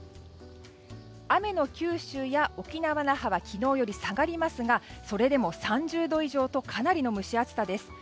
雨の九州や沖縄・那覇は昨日より下がりますがそれでも３０度以上とかなりの蒸し暑さです。